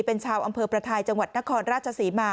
เป็นชาวอำเภอประทายจังหวัดนครราชศรีมา